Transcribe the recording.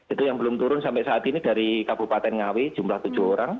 itu yang belum turun sampai saat ini dari kabupaten ngawi jumlah tujuh orang